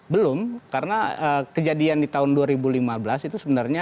belum karena kejadian di tahun dua ribu lima belas itu sebenarnya